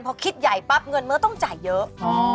พอคิดใหญ่ปั๊บเงินเมื่อต้องจ่ายเยอะ